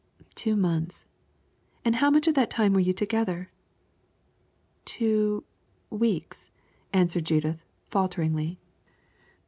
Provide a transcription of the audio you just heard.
"Two months." "And how much of that time were you together?" "Two weeks," answered Judith, falteringly.